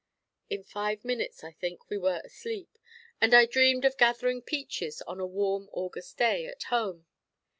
In five minutes, I think, we were asleep, and I dreamed of gathering peaches on a warm August day, at home.